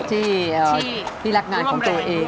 ที่รักงานของตัวเอง